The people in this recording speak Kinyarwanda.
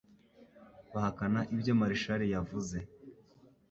bahakana ibyo Marshall yavuze